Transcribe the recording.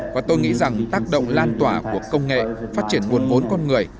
và tôi nghĩ rằng tác động lan tỏa của công nghệ phát triển nguồn vốn con người